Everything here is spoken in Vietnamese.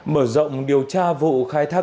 mở rộng điều tra vụ khai thác